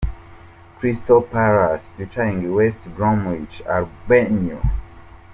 Crystal Palace v West Bromwich Albion.